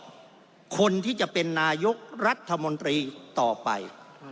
คนที่จะเป็นนายกรัฐมนตรีต่อไป